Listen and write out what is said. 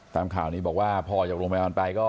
ตามข่าวนี้บอกว่าพอจากโรงพยาบาลไปก็